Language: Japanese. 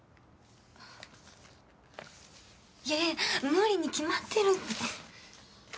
いや無理に決まってるって。